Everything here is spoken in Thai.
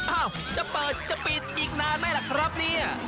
อ้าวจะเปิดจะปิดอีกนานไหมล่ะครับเนี่ย